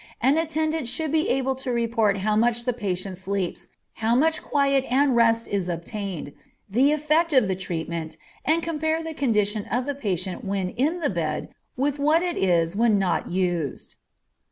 An attendant should be able to report how much the patient sleeps, how much quiet and rest is obtained, the effect of the treatment, and compare the condition of the patient when in the bed with what it is when not used.